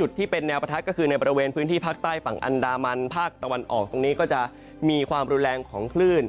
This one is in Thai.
จุดที่เป็นแนวประทัดก็คือในบริเวณพื้นที่ภาคใต้ฝั่งอันดามันภาคตะวันออกตรงนี้ก็จะมีความรุนแรงของคลื่น